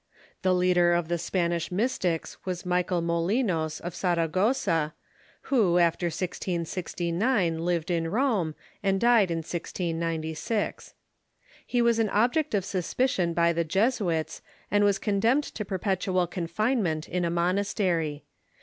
The leader of the Spanish Mystics was INIiciiael Molinos, of Saragossa, who, after 1069, lived in Rome, and died in 1696. He was an object of suspicion by the Jesuits, and was condemned to perpetual confinement in a monastery.